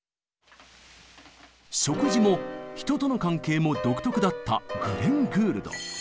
食事も人との関係も独特だったグレン・グールド。